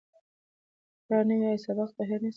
که تکرار نه وي، آیا سبق به هیر نه سی؟